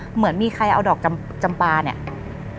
เหมือนมีใครเอาดอกจำปลาเนี่ย